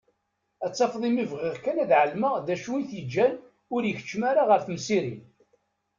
Ad tafeḍ imi bɣiɣ kan ad ɛelmeɣ d acu i t-ittaǧǧan ur d-ikeččem ara ɣer temsirin.